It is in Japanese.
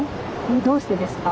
どうしてですか？